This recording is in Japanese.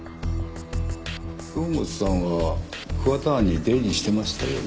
堂本さんは桑田庵に出入りしてましたよね？